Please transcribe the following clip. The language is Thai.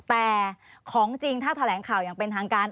แต่ของจริงถ้าแถลงข่าวอย่างเป็นทางการ